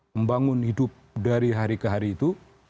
membangun hidup dari hari ke hari itu